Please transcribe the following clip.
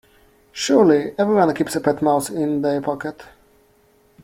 Surely everyone keeps a pet mouse in their pocket?